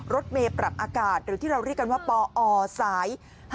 รถเมย์ปรับอากาศหรือที่เราเรียกกันว่าปอสาย๕๗